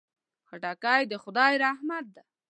خټکی د خدای رحمت دی.